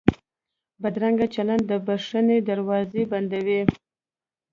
بدرنګه چلند د بښنې دروازې بندوي